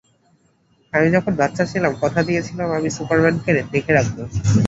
আমি যখন বাচ্চা ছিলাম, কথা দিয়েছিলাম আমি সুপারম্যানকে দেখে রাখব।